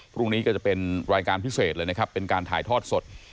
พรุ่งนี้ก็จะเป็นรายการพิเศษเลยนะครับเป็นการถ่ายทอดสด